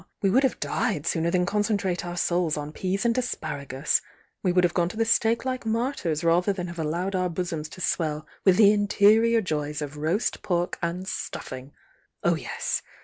We would have died sooner than concentrate our souls on peas and as par^us!— we would have gone to the stake like martyrs rather than have allowed our bosoms to swell with the interior joys of roast pork and stuflf mg! Uh yes!